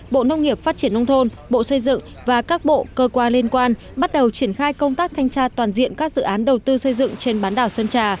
bộ nông nghiệp phát triển nông thôn bộ xây dựng và các bộ cơ quan liên quan bắt đầu triển khai công tác thanh tra toàn diện các dự án đầu tư xây dựng trên bán đảo sơn trà